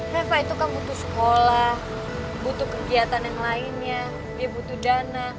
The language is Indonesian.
hepa itu kamu butuh sekolah butuh kegiatan yang lainnya dia butuh dana